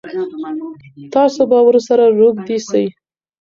تاسو به ورسره روږدي سئ.